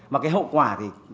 mà cái hậu quả thì